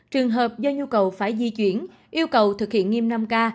trường hợp do nhu cầu phải di chuyển yêu cầu thực hiện nghiêm năm k